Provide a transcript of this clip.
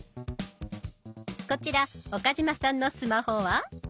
こちら岡嶋さんのスマホは。